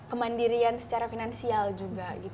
kemandirian secara finansial juga